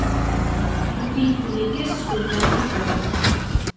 Repítolle que as escoitamos todos.